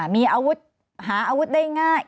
มีอาวุธหาอาวุธได้ง่าย